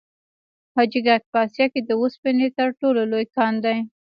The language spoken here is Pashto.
حاجي ګک په اسیا کې د وسپنې تر ټولو لوی کان دی.